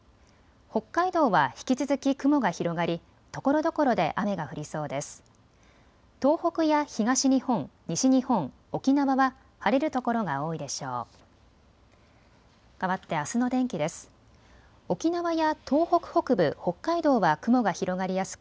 北海道は引き続き雲が広がりところどころで雨が降りそうです。